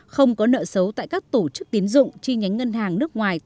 không có nợ xấu tại các tổ chức tiến dụng chi nhánh ngân hàng nước ngoài